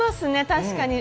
確かに。